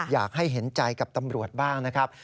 อยากให้เห็นใจกับตำรวจบ้างนะครับ